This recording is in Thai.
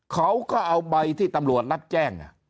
เขาก็เอาใบที่ตำรวจรับแจ้ง